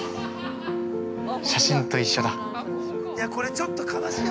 写真と一緒だ。